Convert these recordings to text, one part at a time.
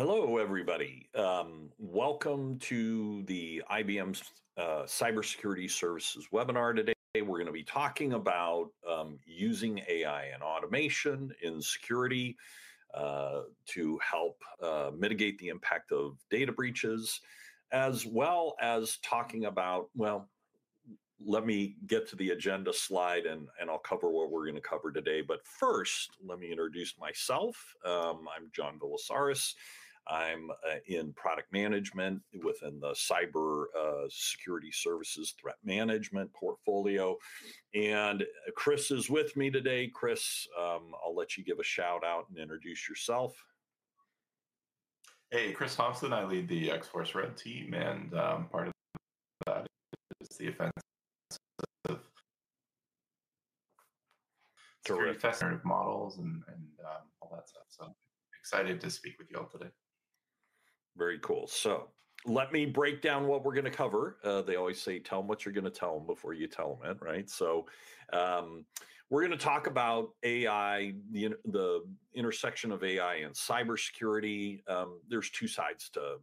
Hello, everybody. Welcome to the IBM's cybersecurity services webinar today. We're gonna be talking about using AI and automation in security to help mitigate the impact of data breaches, as well as talking about. Well, let me get to the agenda slide, and I'll cover what we're gonna cover today. But first, let me introduce myself. I'm John Villacis. I'm in product management within the cybersecurity services threat management portfolio, and Chris is with me today. Chris, I'll let you give a shout-out and introduce yourself. Hey, Chris Thompson, I lead the X-Force Red Team, and, part of that is the offense- Sure Generative models and, all that stuff, so excited to speak with you all today. Very cool. So let me break down what we're gonna cover. They always say, "Tell them what you're gonna tell them before you tell them it," right? So we're gonna talk about AI, the intersection of AI and cybersecurity. There's two sides to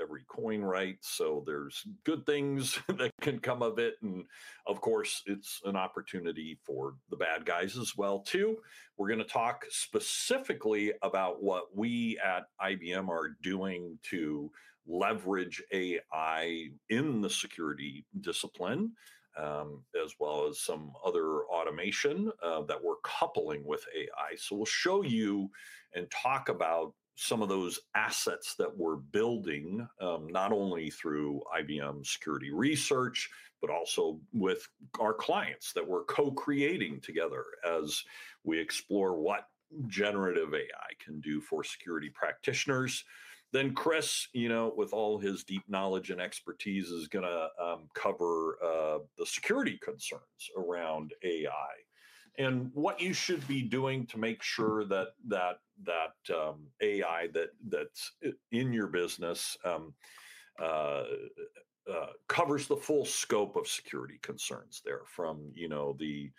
every coin, right? So there's good things that can come of it, and of course, it's an opportunity for the bad guys as well, too. We're gonna talk specifically about what we at IBM are doing to leverage AI in the security discipline, as well as some other automation that we're coupling with AI. So we'll show you and talk about some of those assets that we're building, not only through IBM Security research, but also with our clients, that we're co-creating together as we explore what generative AI can do for security practitioners. Then Chris, you know, with all his deep knowledge and expertise, is gonna cover the security concerns around AI. And what you should be doing to make sure that AI that's in your business covers the full scope of security concerns there, from, you know, the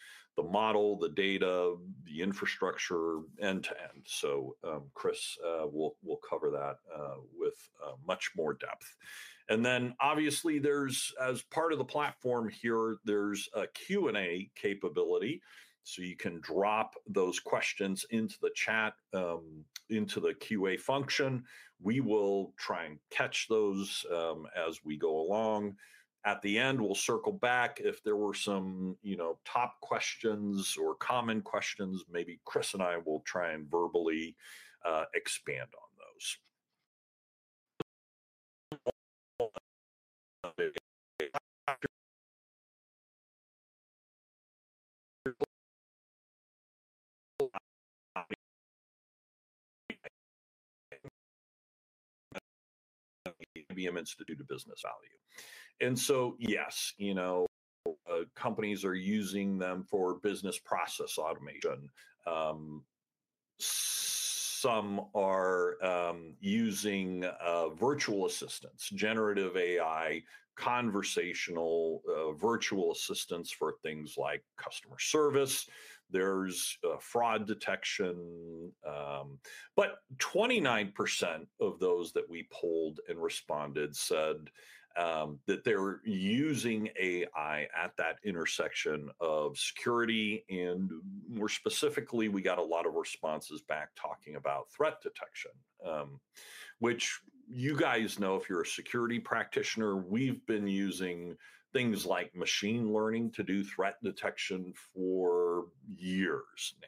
model, the data, the infrastructure, end-to-end. So, Chris will cover that with much more depth. And then, obviously, there's, as part of the platform here, there's a Q&A capability, so you can drop those questions into the chat into the Q&A function. We will try and catch those as we go along. At the end, we'll circle back. If there were some, you know, top questions or common questions, maybe Chris and I will try and verbally expand on those. IBM Institute for Business Value. Yes, you know, companies are using them for business process automation. Some are using virtual assistants, generative AI, conversational virtual assistants for things like customer service. There's fraud detection, but 29% of those that we polled and responded said that they're using AI at that intersection of security, and more specifically, we got a lot of responses back talking about threat detection, which you guys know if you're a security practitioner, we've been using things like machine learning to do threat detection for years now.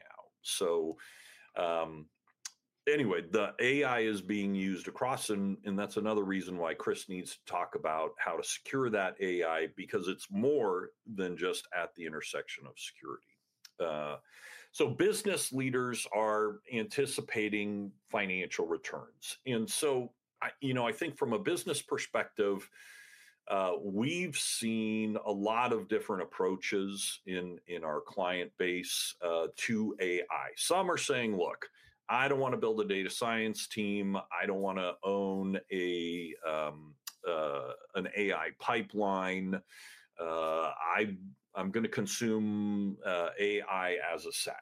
Anyway, the AI is being used across, and that's another reason why Chris needs to talk about how to secure that AI, because it's more than just at the intersection of security. So business leaders are anticipating financial returns, and so I, you know, I think from a business perspective, we've seen a lot of different approaches in our client base to AI. Some are saying: "Look, I don't wanna build a data science team. I don't wanna own an AI pipeline. I'm gonna consume AI as a SaaS."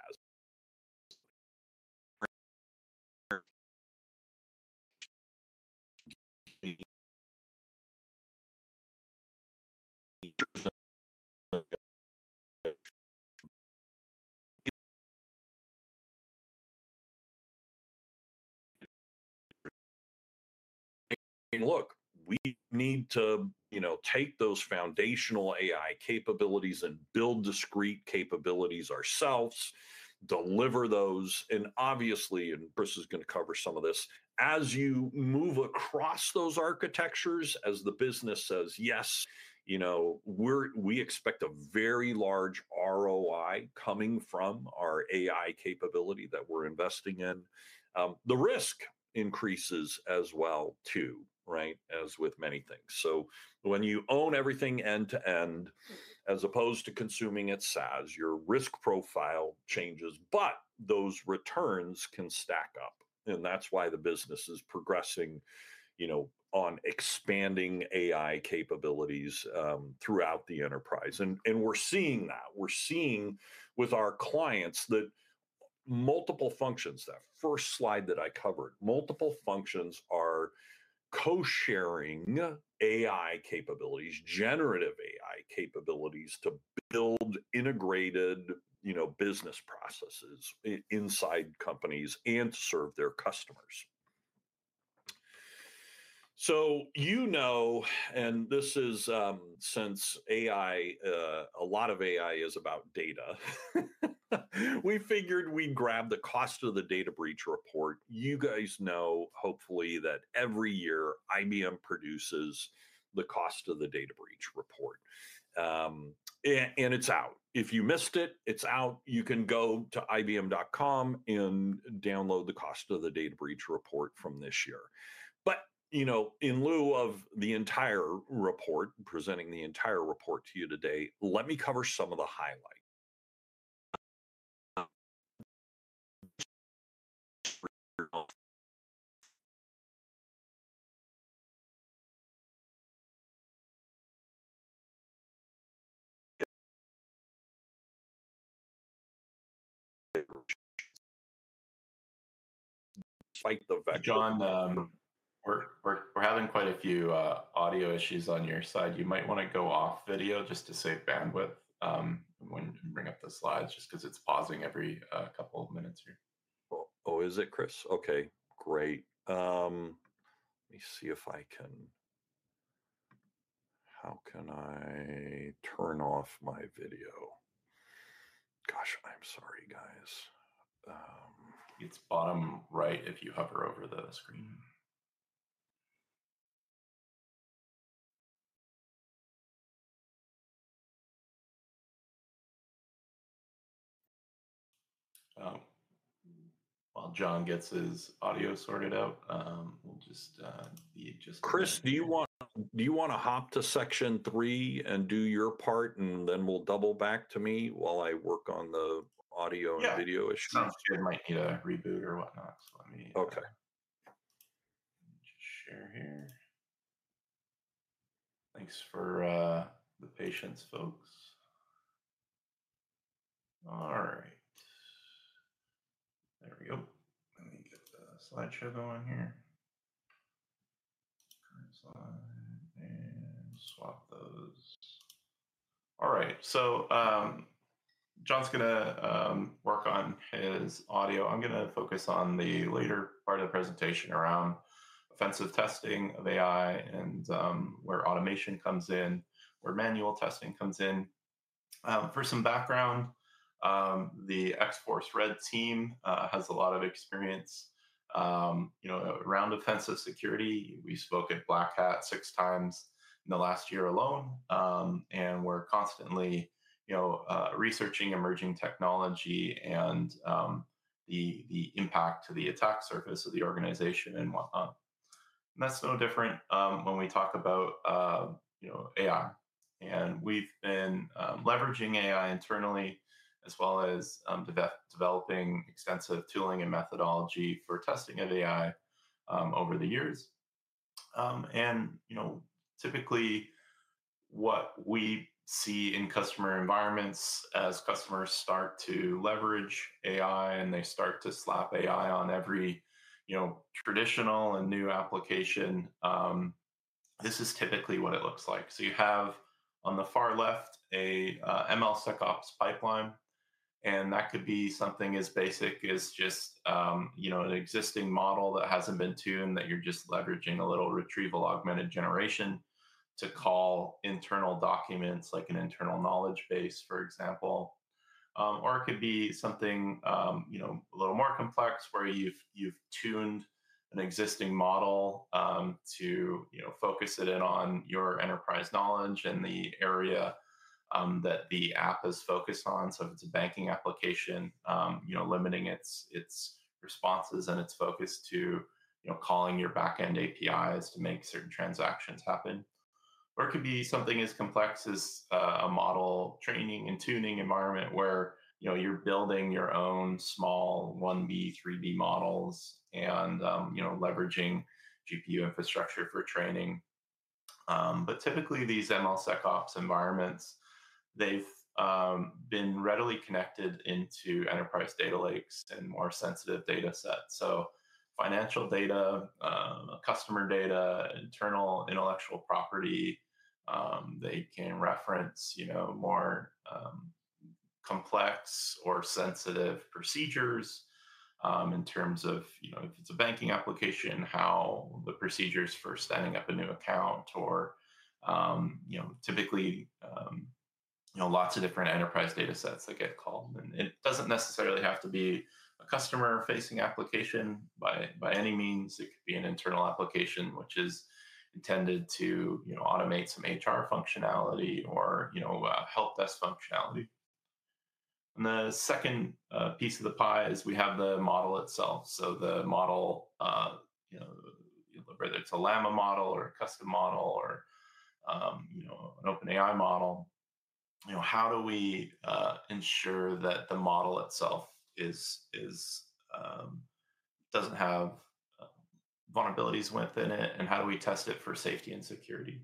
Look, we need to, you know, take those foundational AI capabilities and build discrete capabilities ourselves, deliver those, and obviously, and Chris is gonna cover some of this, as you move across those architectures, as the business says, "Yes, you know, we're we expect a very large ROI coming from our AI capability that we're investing in," the risk increases as well, too, right? As with many things. So when you own everything end-to-end, as opposed to consuming it SaaS, your risk profile changes, but those returns can stack up, and that's why the business is progressing, you know, on expanding AI capabilities throughout the enterprise. And we're seeing that. We're seeing with our clients that multiple functions, that first slide that I covered, multiple functions are co-sharing AI capabilities, generative AI capabilities, to build integrated, you know, business processes inside companies and to serve their customers. So you know, and this is, since AI, a lot of AI is about data, we figured we'd grab the Cost of a Data Breach Report. You guys know, hopefully, that every year IBM produces the Cost of a Data Breach Report. And it's out. If you missed it, it's out. You can go to IBM.com and download the Cost of a Data Breach Report from this year. But, you know, in lieu of the entire report, presenting the entire report to you today, let me cover some of the highlights. John, we're having quite a few audio issues on your side. You might wanna go off video just to save bandwidth, when you bring up the slides, just 'cause it's pausing every couple of minutes here. Oh, oh, is it, Chris? Okay, great. Let me see if I can... How can I turn off my video? Gosh, I'm sorry, guys. It's bottom right if you hover over the screen. While John gets his audio sorted out, we'll just be just- Chris, do you wanna hop to section three and do your part, and then we'll double back to me while I work on the audio and video issues? Yeah. Sounds good. Might need a reboot or whatnot, so let me- Okay. Just share here. Thanks for the patience, folks. All right. There we go. Let me get the slideshow going here. Current slide and swap those. All right, so John's gonna work on his audio. I'm gonna focus on the later part of the presentation around offensive testing of AI and where automation comes in, where manual testing comes in. For some background, the X-Force Red team has a lot of experience, you know, around offensive security. We spoke at Black Hat six times in the last year alone and we're constantly, you know, researching emerging technology and the impact to the attack surface of the organization, and whatnot. That's no different when we talk about, you know, AI. We've been leveraging AI internally, as well as developing extensive tooling and methodology for testing of AI over the years. You know, typically, what we see in customer environments as customers start to leverage AI, and they start to slap AI on every, you know, traditional and new application, this is typically what it looks like. You have, on the far left, a MLSecOps pipeline, and that could be something as basic as just, you know, an existing model that hasn't been tuned, that you're just leveraging a little retrieval augmented generation to call internal documents, like an internal knowledge base, for example. Or it could be something, you know, a little more complex, where you've tuned an existing model, to, you know, focus it in on your enterprise knowledge and the area, that the app is focused on. So if it's a banking application, you know, limiting its responses and its focus to, you know, calling your back-end APIs to make certain transactions happen. Or it could be something as complex as, a model training and tuning environment, where, you know, you're building your own small 1B, 3B models and, you know, leveraging GPU infrastructure for training. But typically, these ML SecOps environments, they've been readily connected into enterprise data lakes and more sensitive data sets. So financial data, customer data, internal intellectual property, they can reference, you know, more complex or sensitive procedures, in terms of, you know, if it's a banking application, how the procedures for setting up a new account or, you know, typically, you know, lots of different enterprise data sets that get called. And it doesn't necessarily have to be a customer-facing application by any means. It could be an internal application which is intended to, you know, automate some HR functionality or, you know, a helpdesk functionality. And the second piece of the pie is we have the model itself. So the model, you know, whether it's a Llama model or a custom model or, you know, an OpenAI model, you know, how do we ensure that the model itself is, doesn't have vulnerabilities within it? How do we test it for safety and security?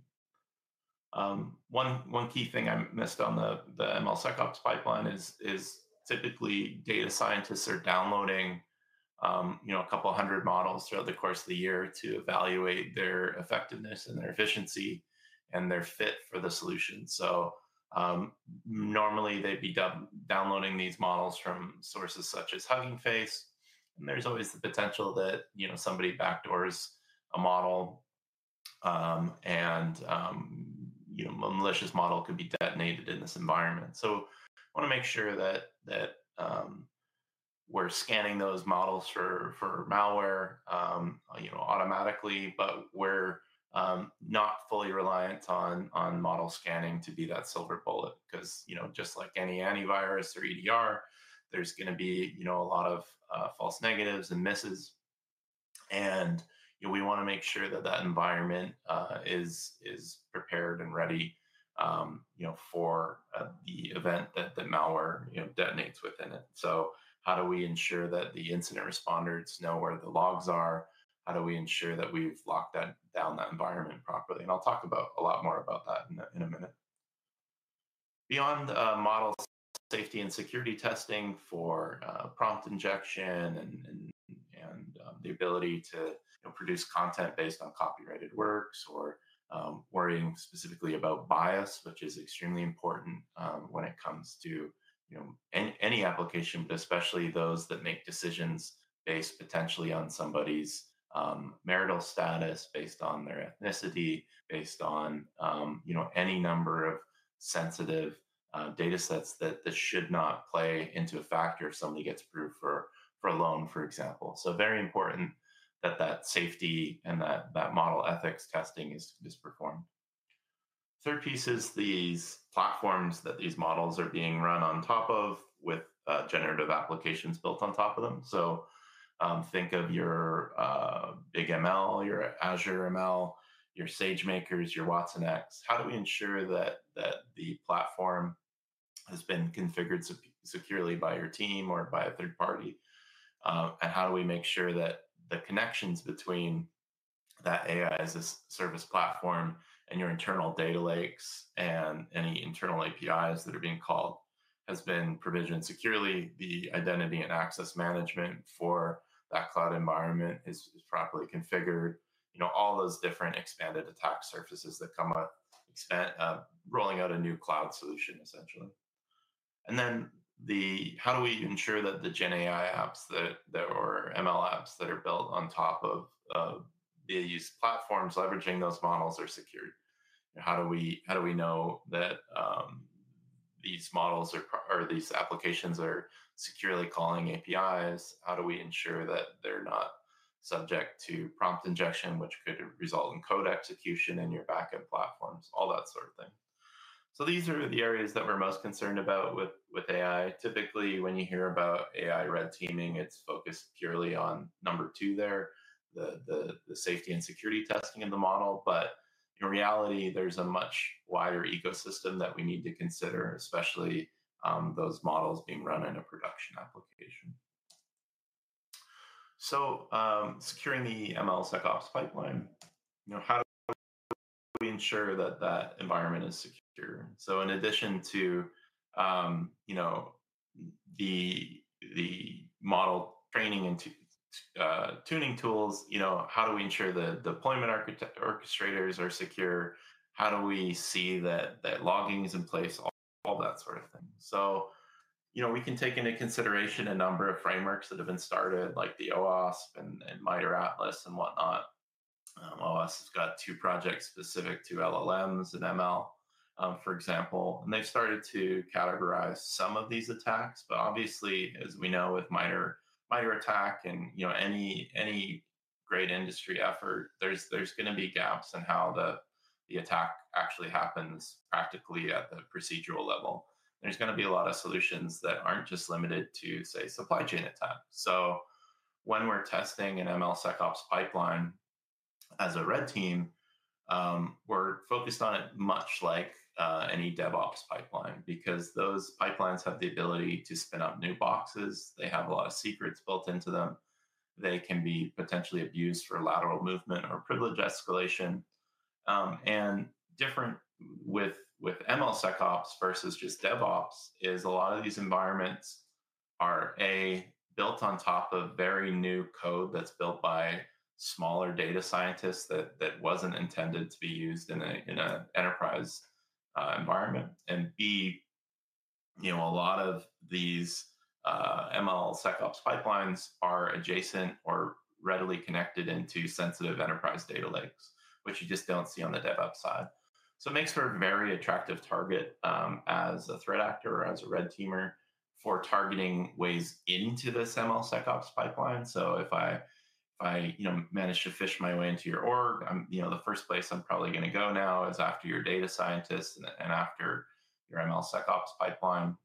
One key thing I missed on the MLSecOps pipeline is typically data scientists are downloading, you know, a couple hundred models throughout the course of the year to evaluate their effectiveness and their efficiency and their fit for the solution. Normally, they'd be downloading these models from sources such as Hugging Face, and there's always the potential that, you know, somebody backdoors a model. And you know, a malicious model could be detonated in this environment. I wanna make sure that we're scanning those models for malware, you know, automatically. But we're not fully reliant on model scanning to be that silver bullet, 'cause, you know, just like any antivirus or EDR, there's gonna be, you know, a lot of false negatives and misses. And, you know, we wanna make sure that that environment is prepared and ready, you know, for the event that the malware, you know, detonates within it. So how do we ensure that the incident responders know where the logs are? How do we ensure that we've locked that down, that environment properly? And I'll talk about a lot more about that in a minute. Beyond the model safety and security testing for prompt injection and the ability to, you know, produce content based on copyrighted works, or worrying specifically about bias, which is extremely important when it comes to, you know, any application but especially those that make decisions based potentially on somebody's marital status, based on their ethnicity, based on you know, any number of sensitive data sets that this should not play into a factor if somebody gets approved for a loan, for example, so very important that safety and that model ethics testing is performed. Third piece is these platforms that these models are being run on top of, with generative applications built on top of them so think of your BigML, your Azure ML, your SageMaker, your watsonx. How do we ensure that the platform has been configured securely by your team or by a third party? And how do we make sure that the connections between that AI as a service platform and your internal data lakes and any internal APIs that are being called has been provisioned securely, the identity and access management for that cloud environment is properly configured? You know, all those different expanded attack surfaces that come up rolling out a new cloud solution, essentially. How do we ensure that the Gen AI apps that there are, or ML apps that are built on top of the AI use platforms leveraging those models are secured? And how do we know that these models are, these applications are securely calling APIs? How do we ensure that they're not subject to prompt injection, which could result in code execution in your backend platforms, all that sort of thing. So these are the areas that we're most concerned about with AI. Typically, when you hear about AI red teaming, it's focused purely on number two there, the safety and security testing of the model. But in reality, there's a much wider ecosystem that we need to consider, especially those models being run in a production application. So securing the MLSecOps pipeline, you know, how do we ensure that that environment is secure? So in addition to, you know, the model training and tuning tools, you know, how do we ensure the deployment orchestrators are secure? How do we see that logging is in place? All that sort of thing. So, you know, we can take into consideration a number of frameworks that have been started, like the OWASP and MITRE ATLAS and whatnot. OWASP has got two projects specific to LLMs and ML, for example, and they've started to categorize some of these attacks. But obviously, as we know with MITRE, MITRE ATT&CK and, you know, any great industry effort, there's gonna be gaps in how the attack actually happens practically at the procedural level. There's gonna be a lot of solutions that aren't just limited to, say, supply chain attack. So when we're testing an MLSecOps pipeline as a red team, we're focused on it much like any DevOps pipeline, because those pipelines have the ability to spin up new boxes. They have a lot of secrets built into them. They can be potentially abused for lateral movement or privilege escalation, and different with MLSecOps versus just DevOps is a lot of these environments are, A, built on top of very new code that's built by smaller data scientists that wasn't intended to be used in a enterprise environment, and B, you know, a lot of these MLSecOps pipelines are adjacent or readily connected into sensitive enterprise data lakes, which you just don't see on the DevOps side, so it makes for a very attractive target, as a threat actor or as a red teamer for targeting ways into this MLSecOps pipeline. So if I, you know, manage to phish my way into your org, you know, the first place I'm probably gonna go now is after your data scientist and after your MLSecOps pipeline,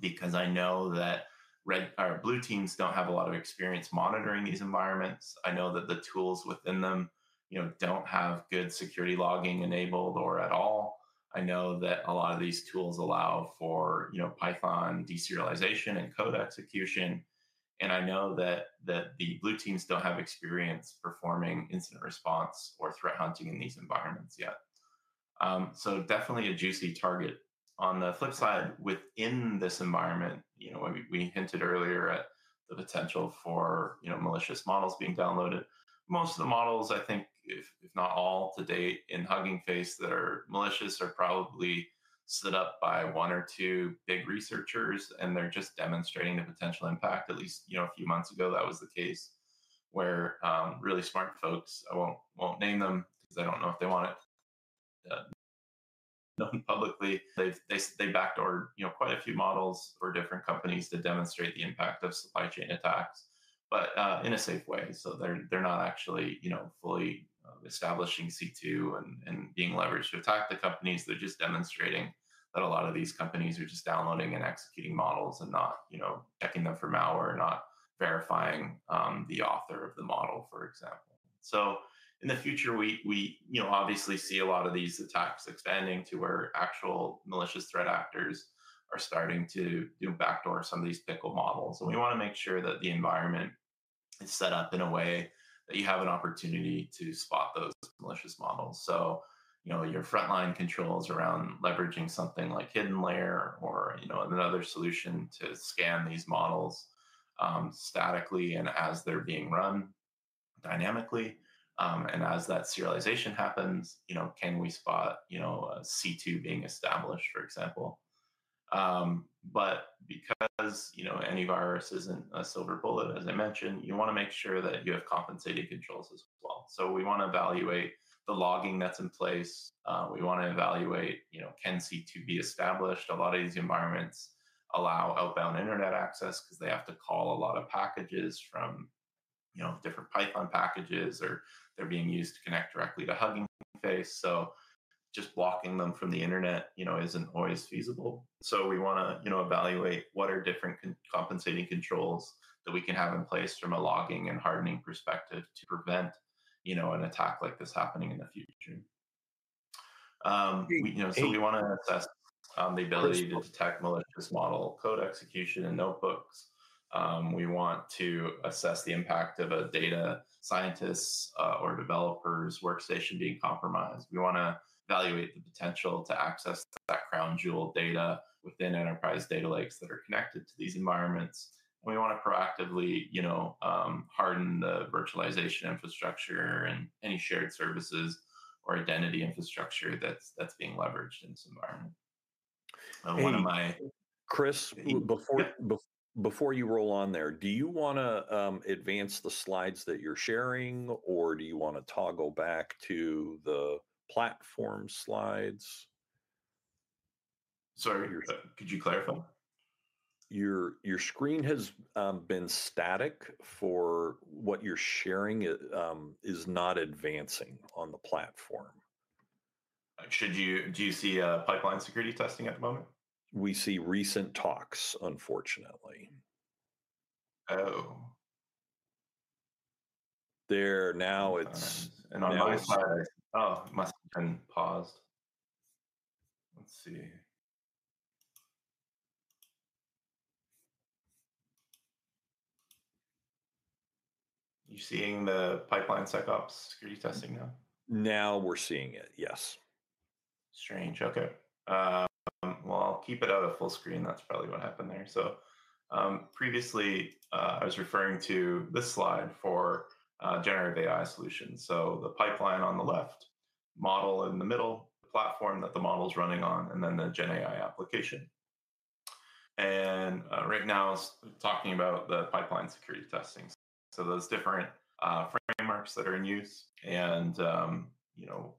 because I know that red or blue teams don't have a lot of experience monitoring these environments. I know that the tools within them, you know, don't have good security logging enabled or at all. I know that a lot of these tools allow for, you know, Python deserialization and code execution, and I know that the blue teams don't have experience performing incident response or threat hunting in these environments yet, so definitely a juicy target. On the flip side, within this environment, you know, when we hinted earlier at the potential for, you know, malicious models being downloaded. Most of the models, I think, if not all, to date, in Hugging Face that are malicious, are probably set up by one or two big researchers, and they're just demonstrating the potential impact. At least, you know, a few months ago, that was the case, where really smart folks, I won't name them because I don't know if they want it known publicly. They've backdoored, you know, quite a few models for different companies to demonstrate the impact of supply chain attacks, but in a safe way. So they're not actually, you know, fully establishing C2 and being leveraged to attack the companies. They're just demonstrating that a lot of these companies are just downloading and executing models and not, you know, checking them for malware, not verifying the author of the model, for example. So in the future, we you know, obviously see a lot of these attacks expanding to where actual malicious threat actors are starting to, you know, backdoor some of these Pickle models. So we wanna make sure that the environment is set up in a way that you have an opportunity to spot those malicious models. So, you know, your frontline controls around leveraging something like HiddenLayer or, you know, another solution to scan these models, statically and as they're being run dynamically, and as that serialization happens, you know, can we spot, you know, a C2 being established, for example? But because, you know, antivirus isn't a silver bullet, as I mentioned, you wanna make sure that you have compensating controls as well. So we wanna evaluate the logging that's in place. We wanna evaluate, you know, can C2 be established? A lot of these environments allow outbound internet access 'cause they have to call a lot of packages from, you know, different Python packages, or they're being used to connect directly to Hugging Face. So just blocking them from the internet, you know, isn't always feasible. So we wanna, you know, evaluate what are different compensating controls that we can have in place from a logging and hardening perspective to prevent, you know, an attack like this happening in the future. You know, so we wanna assess the ability to detect malicious model code execution in notebooks. We want to assess the impact of a data scientist's or developer's workstation being compromised. We wanna evaluate the potential to access that crown jewel data within enterprise data lakes that are connected to these environments. We wanna proactively, you know, harden the virtualization infrastructure and any shared services or identity infrastructure that's being leveraged in this environment. One of my- Chris, before- Yeah... before you roll on there, do you wanna advance the slides that you're sharing, or do you wanna toggle back to the platform slides? Sorry, could you clarify? Your screen has been static for what you're sharing. It is not advancing on the platform. Should you... Do you see a pipeline security testing at the moment? We see recent talks, unfortunately. Oh. There, now it's- All right. And on my side- Now it's- Oh, it must have been paused. Let's see. You seeing the pipeline SecOps security testing now? Now we're seeing it, yes. Strange. Okay. Well, I'll keep it out of full screen. That's probably what happened there. So, previously, I was referring to this slide for, generative AI solutions. So the pipeline on the left, model in the middle, the platform that the model is running on, and then the gen AI application. And, right now, I was talking about the pipeline security testing. So those different, frameworks that are in use and, you know,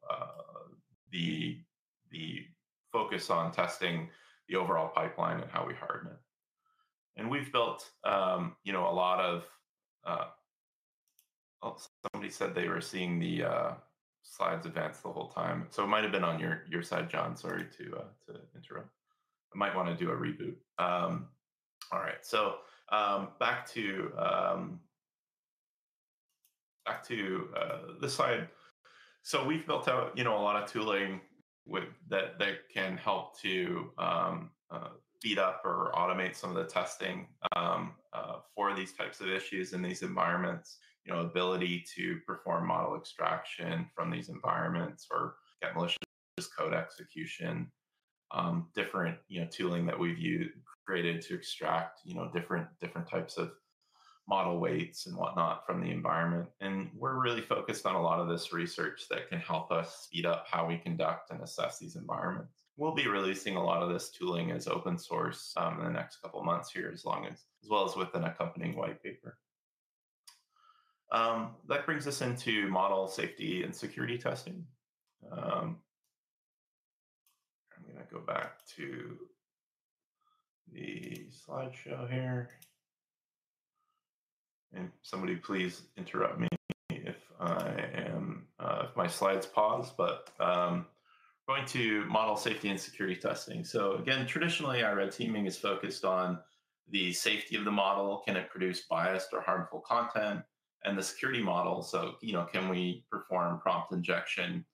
the focus on testing the overall pipeline and how we harden it. And we've built, you know, a lot of... Oh, somebody said they were seeing the, slides advance the whole time, so it might have been on your side, John. Sorry to, to interrupt. I might wanna do a reboot. All right, so back to this slide. So we've built out, you know, a lot of tooling with that that can help to speed up or automate some of the testing for these types of issues in these environments. You know, ability to perform model extraction from these environments or get malicious code execution, different, you know, tooling that we've used, created to extract, you know, different types of model weights and whatnot from the environment. And we're really focused on a lot of this research that can help us speed up how we conduct and assess these environments. We'll be releasing a lot of this tooling as open source in the next couple of months here, as well as with an accompanying white paper. That brings us into model safety and security testing. I'm gonna go back to the slideshow here, and somebody please interrupt me if my slide's paused, but going to model safety and security testing, so again, traditionally, our red teaming is focused on the safety of the model. Can it produce biased or harmful content and the security model, so, you know, can we perform prompt injection,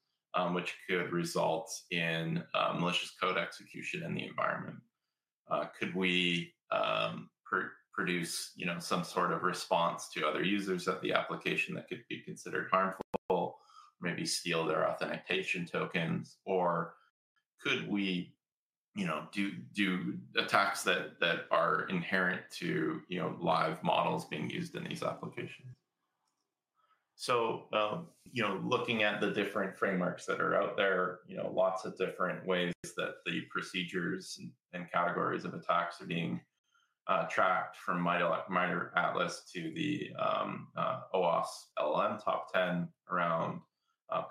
which could result in malicious code execution in the environment? Could we produce, you know, some sort of response to other users of the application that could be considered harmful, maybe steal their authentication tokens, or could we, you know, do attacks that are inherent to, you know, live models being used in these applications? You know, looking at the different frameworks that are out there, you know, lots of different ways that the procedures and categories of attacks are being tracked from MITRE ATLAS to the OWASP LLM Top Ten around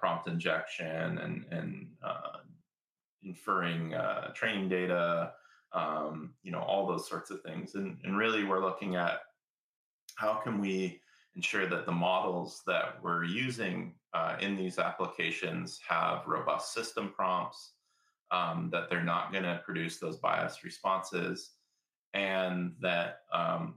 prompt injection and inferring training data. You know, all those sorts of things. Really, we're looking at how can we ensure that the models that we're using in these applications have robust system prompts that they're not gonna produce those biased responses, and that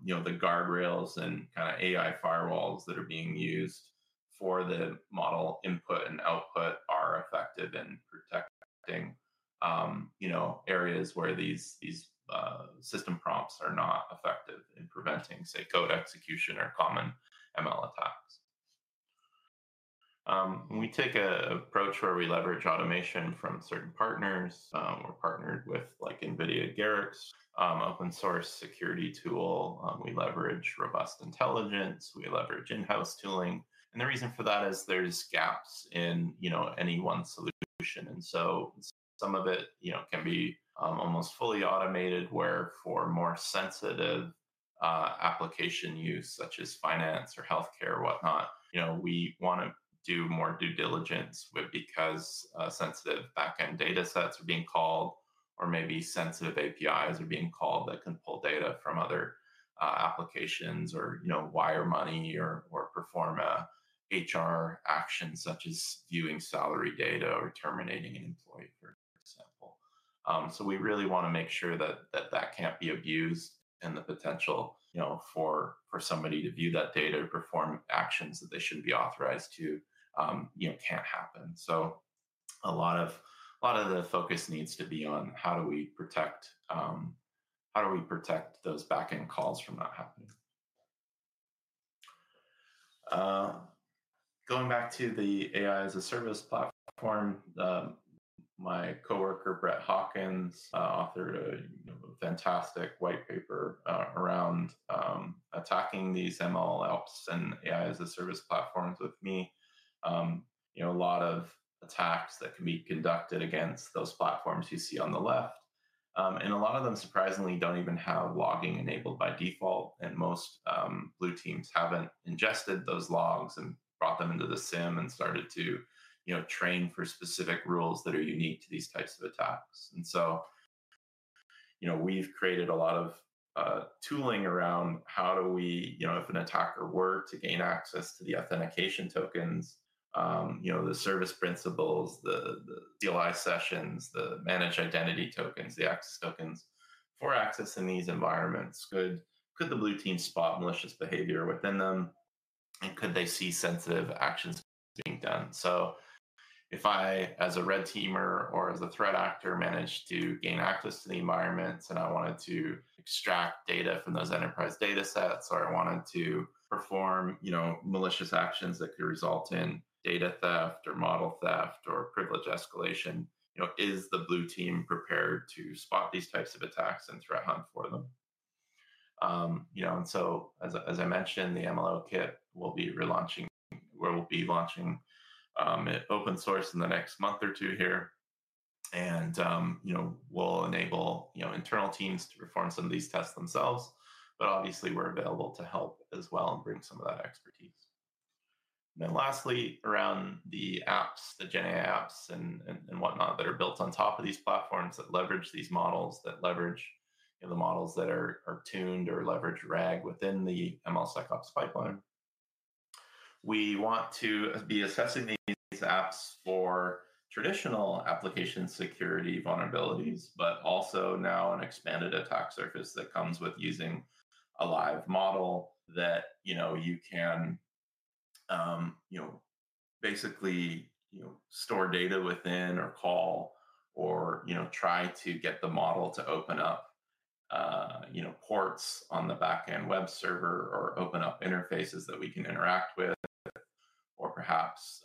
you know, the guardrails and kinda AI firewalls that are being used for the model input and output are effective in protecting you know, areas where these system prompts are not effective in preventing, say, code execution or common ML attacks. We take an approach where we leverage automation from certain partners, we're partnered with, like, Garak, open source security tool, we leverage Robust Intelligence, we leverage in-house tooling, and the reason for that is there's gaps in, you know, any one solution, and so some of it, you know, can be almost fully automated, where for more sensitive application use, such as finance or healthcare or whatnot, you know, we wanna do more due diligence, but because sensitive backend data sets are being called, or maybe sensitive APIs are being called, that can pull data from other applications, or, you know, wire money or perform a HR action, such as viewing salary data or terminating an employee, for ;example. So we really wanna make sure that that can't be abused, and the potential, you know, for somebody to view that data or perform actions that they shouldn't be authorized to, you know, can't happen. So a lot of the focus needs to be on how do we protect those backend calls from not happening? Going back to the AI-as-a-Service platform, my coworker, Brett Hawkins, authored a you know a fantastic white paper around attacking these ML APIs and AI-as-a-Service platforms with me. You know, a lot of attacks that can be conducted against those platforms you see on the left. And a lot of them, surprisingly, don't even have logging enabled by default, and most blue teams haven't ingested those logs and brought them into the SIM and started to, you know, train for specific rules that are unique to these types of attacks. So, you know, we've created a lot of tooling around how do we, you know, if an attacker were to gain access to the authentication tokens, you know, the service principals, the DLI sessions, the managed identity tokens, the access tokens for access in these environments, could the blue team spot malicious behavior within them, and could they see sensitive actions being done? So if I, as a red teamer or as a threat actor, manage to gain access to the environment, and I wanted to extract data from those enterprise datasets, or I wanted to perform, you know, malicious actions that could result in data theft or model theft or privilege escalation, you know, is the blue team prepared to spot these types of attacks and threat hunt for them? You know, and so as I mentioned, the MLOps kit will be relaunching, where we'll be launching it open source in the next month or two here. And you know, we'll enable, you know, internal teams to perform some of these tests themselves, but obviously we're available to help as well and bring some of that expertise. Then lastly, around the apps, the GenAI apps and whatnot, that are built on top of these platforms, that leverage these models that leverage you know the models that are tuned or leverage RAG within the MLSecOps pipeline. We want to be assessing these apps for traditional application security vulnerabilities, but also now an expanded attack surface that comes with using a live model that you know you can basically you know store data within, or call, or you know try to get the model to open up you know ports on the backend web server, or open up interfaces that we can interact with. Or perhaps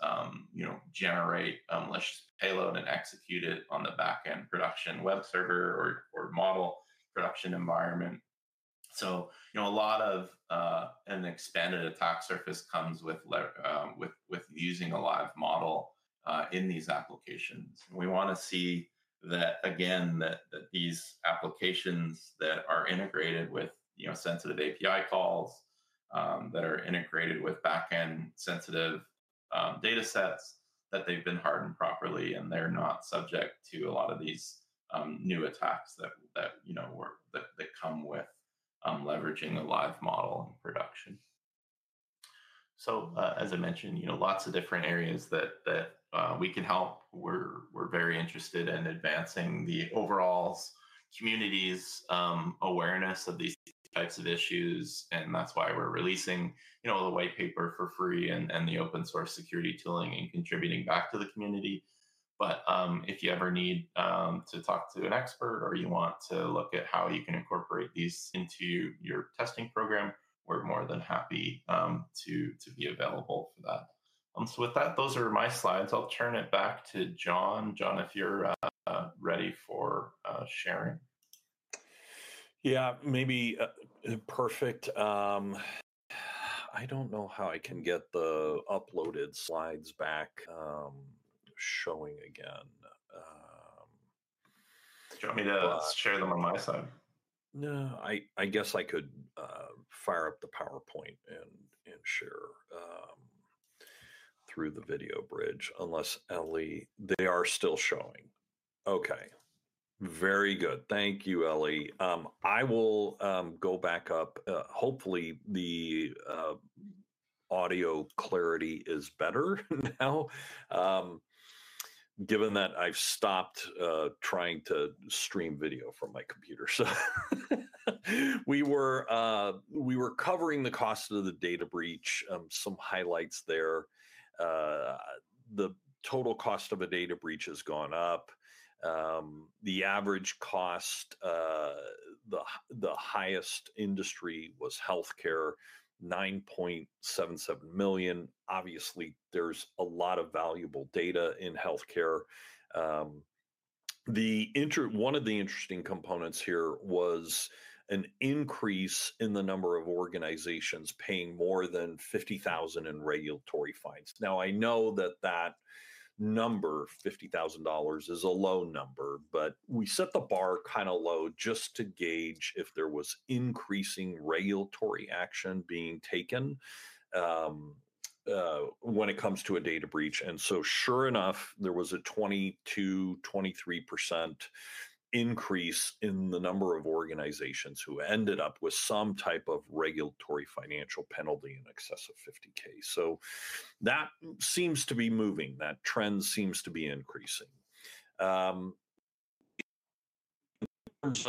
you know generate a malicious payload and execute it on the backend production web server or model production environment. So you know a lot of. An expanded attack surface comes with using a live model in these applications. We wanna see that again that these applications that are integrated with, you know, sensitive API calls that are integrated with backend sensitive data sets that they've been hardened properly, and they're not subject to a lot of these new attacks that, you know, come with leveraging a live model in production. So, as I mentioned, you know, lots of different areas that we can help. We're very interested in advancing the overall community's awareness of these types of issues, and that's why we're releasing, you know, the white paper for free and the open-source security tooling and contributing back to the community. But, if you ever need to talk to an expert or you want to look at how you can incorporate these into your testing program, we're more than happy to be available for that. So with that, those are my slides. I'll turn it back to John. John, if you're ready for sharing. Yeah, maybe, perfect. I don't know how I can get the uploaded slides back, showing again. Do you want me to share them on my side? No. I guess I could fire up the PowerPoint and share through the video bridge. Unless, Ellie. They are still showing. Okay, very good. Thank you, Ellie. I will go back up, hopefully the audio clarity is better now, given that I've stopped trying to stream video from my computer. We were covering the Cost of a Data Breach, some highlights there. The total Cost of a Data Breach has gone up. The average cost, the highest industry was healthcare, $9.77 million. Obviously, there's a lot of valuable data in healthcare. One of the interesting components here was an increase in the number of organizations paying more than $50,000 in regulatory fines. Now, I know that that number, $50,000, is a low number, but we set the bar kind of low just to gauge if there was increasing regulatory action being taken, when it comes to a data breach, and so sure enough, there was a 22-23% increase in the number of organizations who ended up with some type of regulatory financial penalty in excess of $50,000, so that seems to be moving. That trend seems to be increasing. In terms of organizations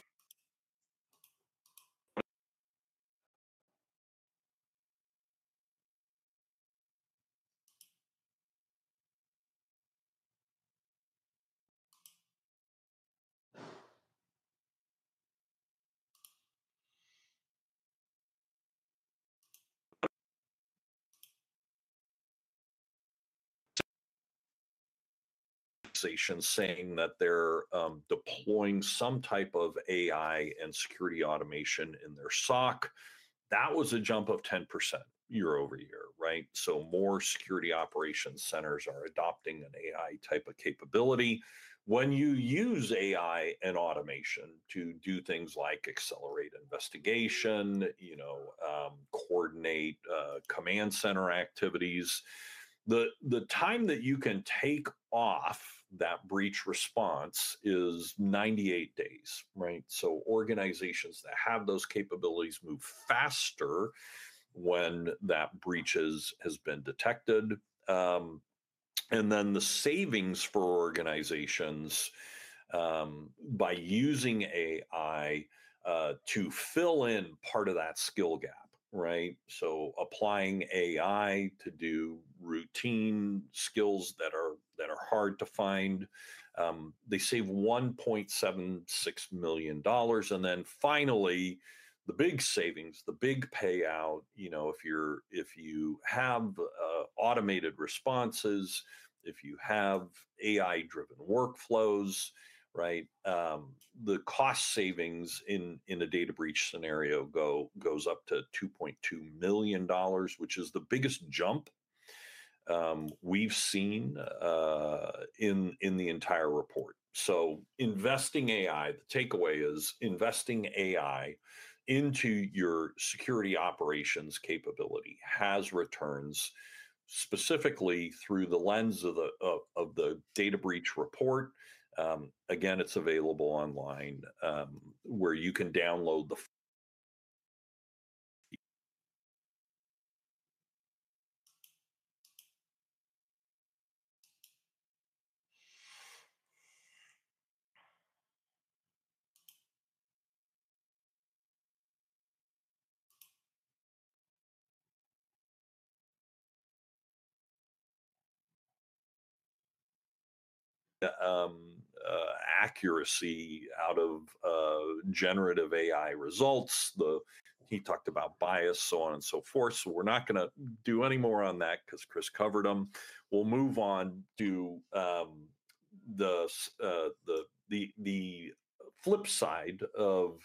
saying that they're deploying some type of AI and security automation in their SOC, that was a jump of 10% year over year, right, so more security operations centers are adopting an AI type of capability. When you use AI and automation to do things like accelerate investigation, you know, coordinate command center activities, the time that you can take off that breach response is 98 days, right? So organizations that have those capabilities move faster when that breach has been detected. And then the savings for organizations by using AI to fill in part of that skill gap, right? So applying AI to do routine skills that are hard to find, they save $1.76 million. And then finally, the big savings, the big payout, you know, if you're, if you have automated responses, if you have AI-driven workflows, right? The cost savings in a data breach scenario goes up to $2.2 million, which is the biggest jump we've seen in the entire report. So investing AI, the takeaway is, investing AI into your security operations capability has returns, specifically through the lens of the data breach report. Again, it's available online, where you can download the accuracy out of generative AI results. He talked about bias, so on and so forth, so we're not gonna do any more on that 'cause Chris covered them. We'll move on to the flip side. We're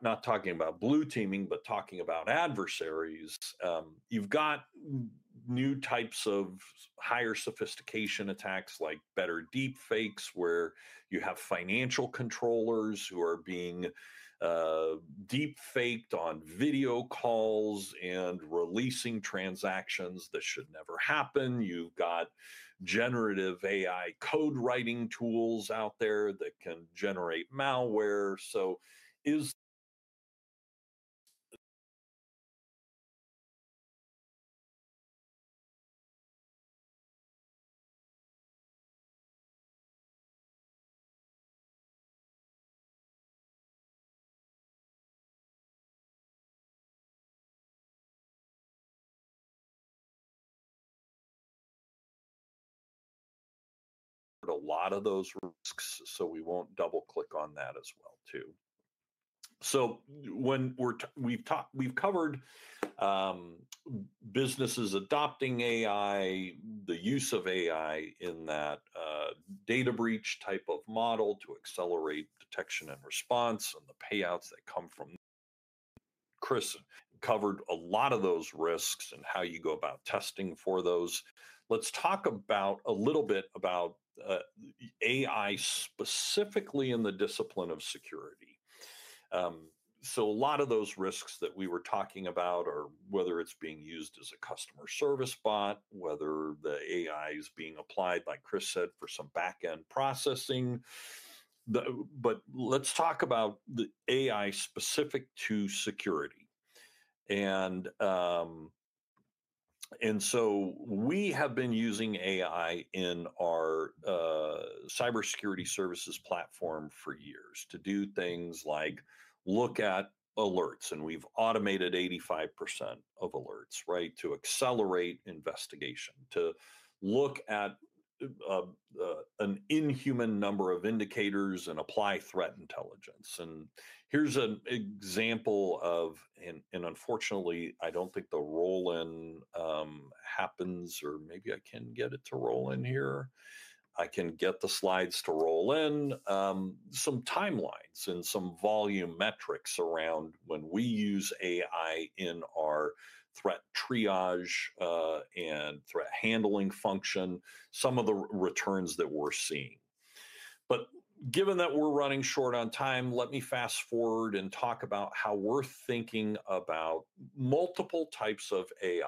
not talking about blue teaming, but talking about adversaries. You've got new types of... Higher sophistication attacks, like better deepfakes, where you have financial controllers who are being deepfaked on video calls and releasing transactions that should never happen. You've got generative AI code writing tools out there that can generate malware. So a lot of those risks, so we won't double-click on that as well. So when we've covered businesses adopting AI, the use of AI in that data breach type of model to accelerate detection and response and the payouts that come from. Chris covered a lot of those risks and how you go about testing for those. Let's talk about a little bit about AI specifically in the discipline of security. So a lot of those risks that we were talking about are whether it's being used as a customer service bot, whether the AI is being applied, like Chris said, for some back-end processing. But let's talk about the AI specific to security. So we have been using AI in our cybersecurity services platform for years to do things like look at alerts, and we've automated 85% of alerts, right? To accelerate investigation, to look at an inhuman number of indicators and apply threat intelligence. And here's an example of. Unfortunately, I don't think the roll-in happens, or maybe I can get it to roll in here. I can get the slides to roll in. Some timelines and some volume metrics around when we use AI in our threat triage, and threat handling function, some of the returns that we're seeing. But given that we're running short on time, let me fast-forward and talk about how we're thinking about multiple types of AI,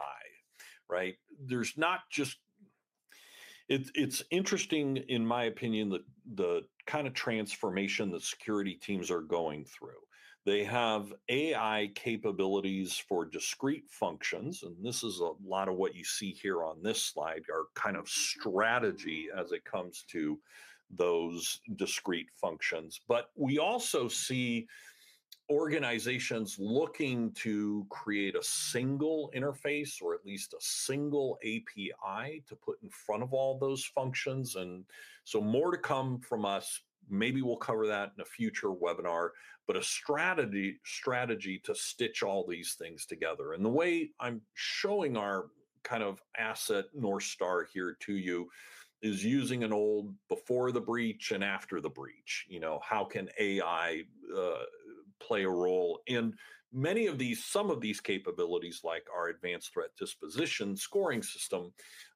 right? There's not just. It's, it's interesting, in my opinion, that the kind of transformation that security teams are going through. They have AI capabilities for discrete functions, and this is a lot of what you see here on this slide, our kind of strategy as it comes to those discrete functions. But we also see organizations looking to create a single interface or at least a single API to put in front of all those functions, and so more to come from us, maybe we'll cover that in a future webinar, but a strategy to stitch all these things together and the way I'm showing our kind of asset North Star here to you is using an old before the breach and after the breach. You know, how can AI play a role in many of these, some of these capabilities, like our advanced threat disposition scoring system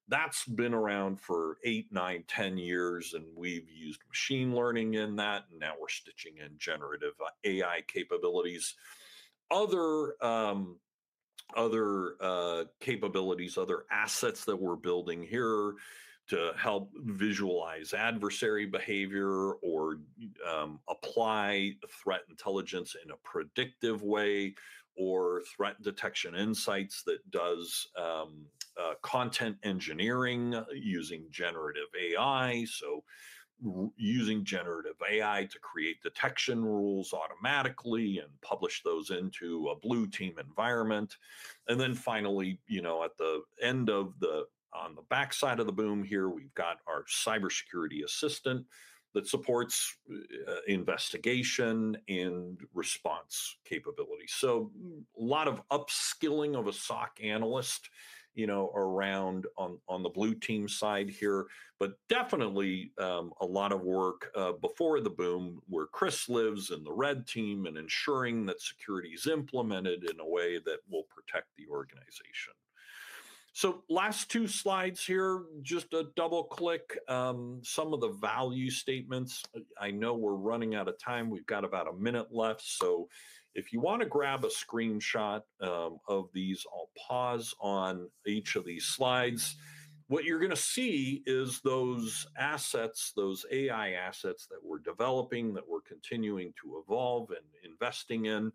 that's been around for eight, nine, ten years, and we've used machine learning in that, and now we're stitching in generative AI capabilities. Other capabilities, other assets that we're building here to help visualize adversary behavior or apply threat intelligence in a predictive way, or threat detection insights that does content engineering using generative AI. So using generative AI to create detection rules automatically and publish those into a blue team environment. And then finally, you know, at the end of the on the backside of the boom here, we've got our cybersecurity assistant that supports investigation and response capability. So a lot of upskilling of a SOC analyst, you know, around on the blue team side here, but definitely a lot of work before the boom, where Chris lives and the red team, and ensuring that security is implemented in a way that will protect the organization. Last two slides here, just to double-click some of the value statements. I know we're running out of time. We've got about a minute left, so if you want to grab a screenshot of these, I'll pause on each of these slides. What you're gonna see is those assets, those AI assets that we're developing, that we're continuing to evolve and investing in,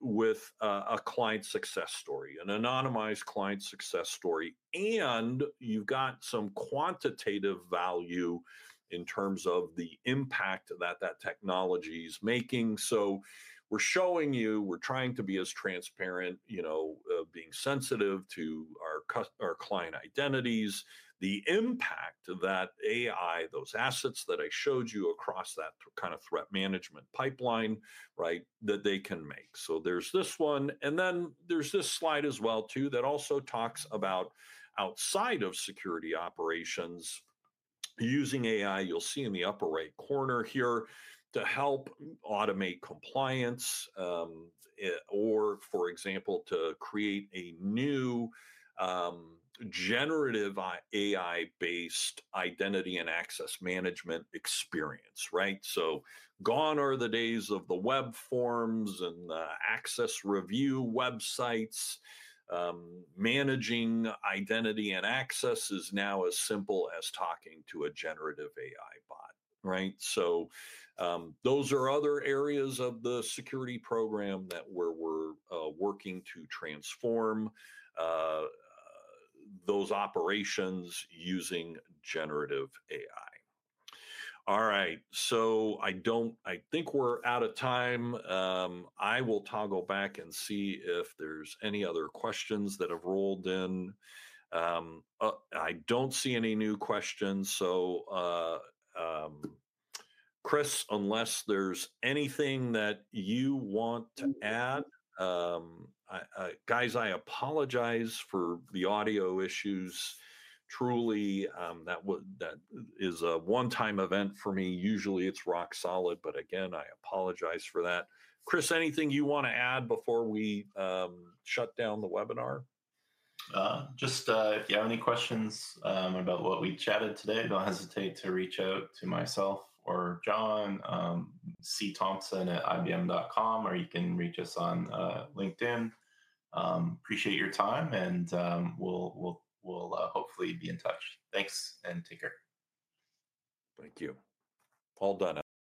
with a client success story, an anonymized client success story, and you've got some quantitative value in terms of the impact that that technology is making. So we're showing you, we're trying to be as transparent, you know, being sensitive to our client identities, the impact of that AI, those assets that I showed you across that kind of threat management pipeline, right, that they can make. So there's this one, and then there's this slide as well, too, that also talks about outside of security operations, using AI. You'll see in the upper right corner here, to help automate compliance, or, for example, to create a new, generative AI-based identity and access management experience, right? So gone are the days of the web forms and the access review websites. Managing identity and access is now as simple as talking to a generative AI bot, right? So, those are other areas of the security program that we're working to transform, those operations using generative AI. All right, so I don't think we're out of time. I will toggle back and see if there's any other questions that have rolled in. I don't see any new questions, so, Chris, unless there's anything that you want to add. Guys, I apologize for the audio issues. Truly, that would-- that is a one-time event for me. Usually, it's rock solid, but again, I apologize for that. Chris, anything you want to add before we shut down the webinar? Just, if you have any questions about what we chatted today, don't hesitate to reach out to myself or John, cthompson@ibm.com, or you can reach us on LinkedIn. Appreciate your time, and we'll hopefully be in touch. Thanks, and take care. Thank you. All done.